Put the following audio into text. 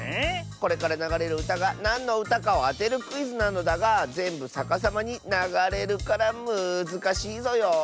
これからながれるうたがなんのうたかをあてるクイズなのだがぜんぶさかさまにながれるからむずかしいぞよ。